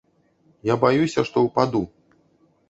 Я баюся, што ўпаду.